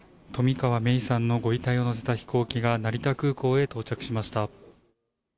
冨川芽生さんのご遺体を乗せた飛行機が成田空港へ到着しました。